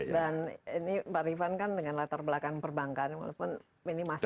dan ini pak rifan kan dengan latar belakang perbankan walaupun ini masih juga